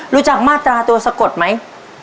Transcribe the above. รู้จักมาตราตัวสะกดไหม